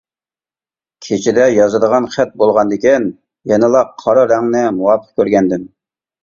كېچىدە يازىدىغان خەت بولغاندىكىن يەنىلا قارا رەڭنى مۇۋاپىق كۆرگەنىدىم.